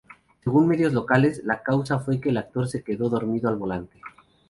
Según medios locales, la causa fue que el actor se quedó dormido al volante.